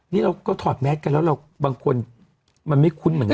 นี่เราก็ถอดแมสกันแล้วเราบางคนมันไม่คุ้นเหมือนกัน